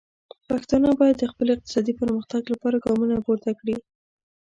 پښتانه باید د خپل اقتصادي پرمختګ لپاره ګامونه پورته کړي.